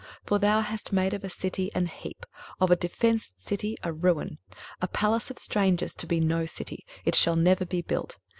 23:025:002 For thou hast made of a city an heap; of a defenced city a ruin: a palace of strangers to be no city; it shall never be built.